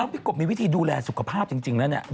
พี่กบมีวิธีดูแลสุขภาพจริงแล้วเนี่ย